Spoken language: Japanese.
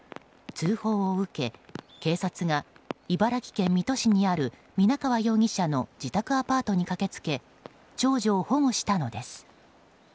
通報を受け警察が茨城県水戸市にある皆川容疑者の自宅アパートに駆けつけ長女を保護したのです。